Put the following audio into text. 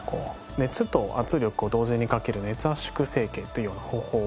熱と圧力を同時にかける熱圧縮成形というような方法を。